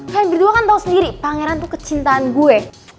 kayaknya berdua kan tau sendiri pangeran tuh kecintaan gue